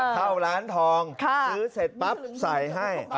เข้าร้านทองซื้อเสร็จปั๊บใส่ให้